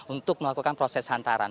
untuk melakukan proses hantaran